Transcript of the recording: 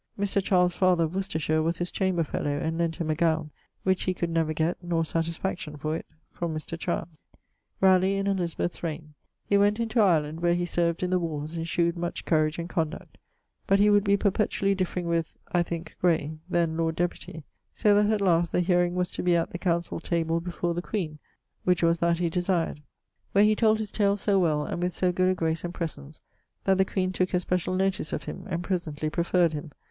Mr. Child's father of Worcestershire was his chamber fellow, and lent him a gowne, which he could never gett, nor satisfaction for it. from Mr. Child. <_Raleigh in Elizabeth's reign._> He went into Ireland, where he served in the warres, and shewed much courage and conduct, but [LXVIII.]he would be perpetually differing with ... (I thinke, Gray) then Lord Deputy; so that at last the hearing was to be at councell table before the queen, which was that he desired; where he told his tale so well and with so good a grace and presence that the queen tooke especiall notice of him and presently preferred him.